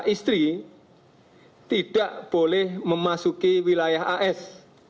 pemberangkatan tni beserta istri tidak boleh memasuki wilayah as